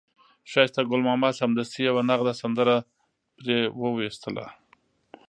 ښایسته ګل ماما سمدستي یوه نغده سندره پرې وویستله.